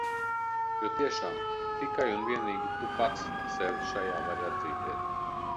Jo tiešām – tikai un vienīgi tu pats sev šajā vari atzīties.